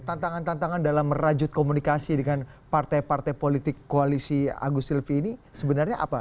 tantangan tantangan dalam merajut komunikasi dengan partai partai politik koalisi agus silvi ini sebenarnya apa